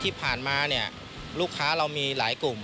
ที่ผ่านมาเนี่ยลูกค้าเรามีหลายกลุ่ม